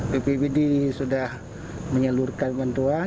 bpd sudah menyalurkan bantuan